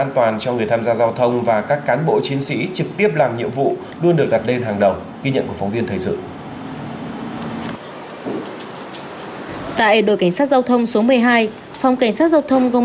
tại các vùng trên nước